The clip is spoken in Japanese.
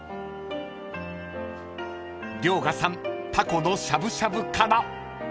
［遼河さんタコのしゃぶしゃぶから］